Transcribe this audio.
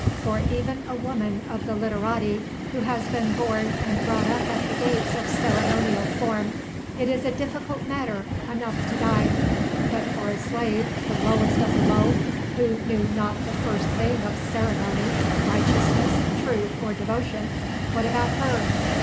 For even a woman of the literati, who has been born and brought up at the gates of ceremonial form, it is a difficult matter enough to die, but for a slave, the lowest of the low, who knew not the first thing of Ceremony, Righteousness, Truth or Devotion, what about her?